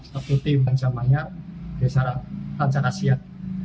satu tim dan semuanya secara asiat